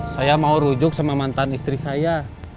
saya mau rujuk sama mantan istri saya